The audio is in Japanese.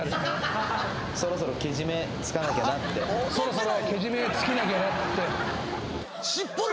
そろそろけじめつけなきゃなって。